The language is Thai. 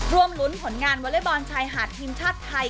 รวมรุนผลงานวัลเวอร์บอลชายหาดทีมชาติไทย